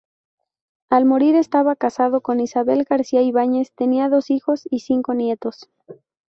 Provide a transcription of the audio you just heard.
Al morir estaba casado con Isabel García Ibáñez, tenía dos hijos y cinco nietos.